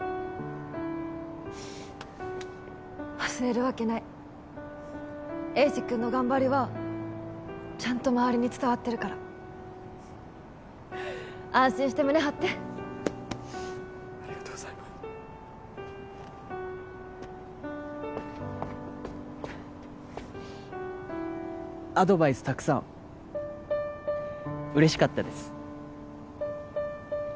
忘れるわけない栄治君の頑張りはちゃんと周りに伝わってるから安心して胸張ってありがとうございますアドバイスたくさん嬉しかったです